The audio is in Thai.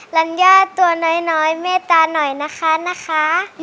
ลัญญาตัวน้อยเมตตาหน่อยนะคะ